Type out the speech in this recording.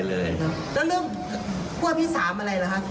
แล้วเรื่องภูมิวิสามอะไรล่ะคะ